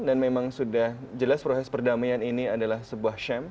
memang sudah jelas proses perdamaian ini adalah sebuah shamp